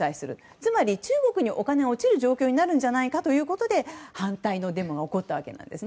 つまり、中国にお金が落ちる状況になるんじゃないかということで反対のデモが起こったわけです。